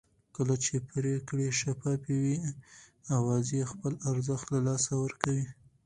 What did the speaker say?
کله چې پرېکړې شفافې وي اوازې خپل ارزښت له لاسه ورکوي